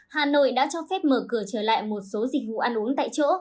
hà nội đã cho phép mở cửa trở lại một số dịch vụ ăn uống tại chỗ